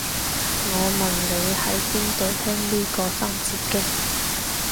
我問你喺邊度聽呢個三字經